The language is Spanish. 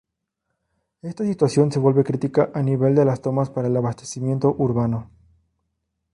Esta situación se vuelve crítica a nivel de las tomas para el abastecimiento urbano.